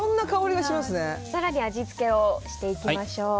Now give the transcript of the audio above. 更に味付けをしていきましょう。